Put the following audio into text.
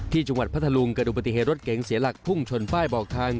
ที่จังหวัดพระทะลุงเกิดอุบัติเหตุรถเก็งเสียหลักภูมิชนป้ายบอกทาง